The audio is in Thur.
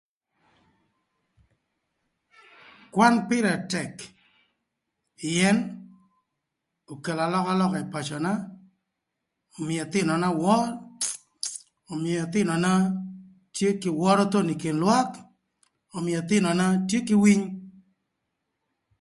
Kwan pïrë tëk pïën okelo alökalöka ï pacöna, ömïö ëthïnöna wör, ömïö ëthïnöna tye kï wörö thön ï kin lwak, ömïö ëthïnöna tye kï winy.